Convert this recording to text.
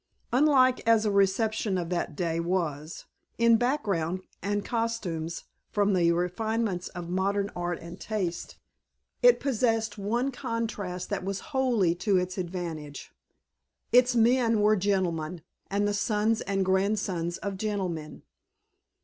Unlike as a reception of that day was in background and costumes from the refinements of modern art and taste, it possessed one contrast that was wholly to its advantage. Its men were gentlemen and the sons and grandsons of gentlemen.